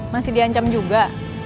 masih di ancam juga